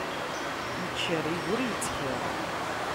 Ittcerrig ur ittxiḍi.